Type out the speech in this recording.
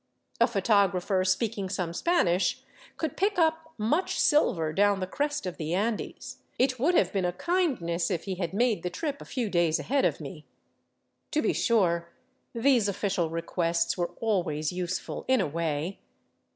A photographer speak ing some Spanish could pick up much silver down the crest of the Andes; it would have been a kindness if he had made the trip a few days ahead of me. To be sure, these official requests were always use ful, in a way.